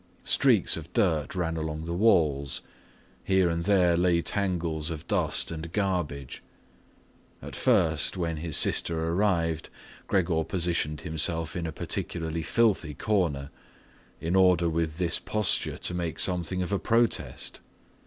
Streaks of dirt ran along the walls; here and there lay tangles of dust and garbage. At first, when his sister arrived, Gregor positioned himself in a particularly filthy corner in order with this posture to make something of a protest.